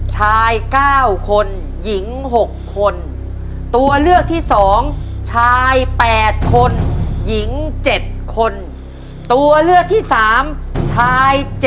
ชาย๙คนหญิง๖คนตัวเลือกที่๒ชาย๘คนหญิง๗คนตัวเลือกที่๓ชาย๗